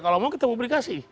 kalau mau kita publikasi